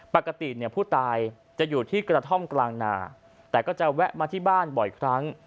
ปกติเนี่ยผู้ตายจะอยู่ที่กระท่อมกลางนาแต่ก็จะแวะมาที่บ้านบ่อยครั้ง